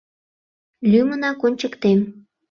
Лӱмынак ончыктем.